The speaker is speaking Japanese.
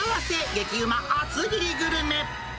激ウマ厚切りグルメ。